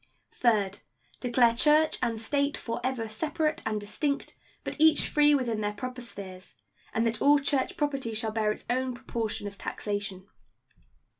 Third. Declare church and state forever separate and distinct, but each free within their proper spheres; and that all church property shall bear its own proportion of taxation.